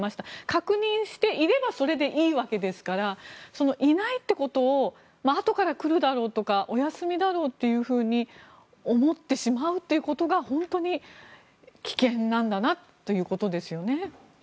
確認していればそれでいいわけですからいないということをあとから来るだろうとかお休みだろうっていうふうに思ってしまうということが本当に危険なんだなということですよね。